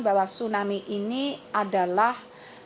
bahwa tsunami ini adalah